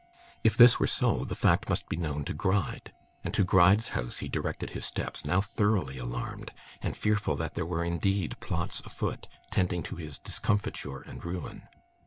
If this were so, the fact must be known to Gride; and to Gride's house he directed his steps; now thoroughly alarmed, and fearful that there were indeed plots afoot, tending to his discomfiture and ruin.